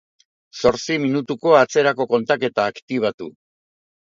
Zortzi minutuko atzerako kontaketa aktibatu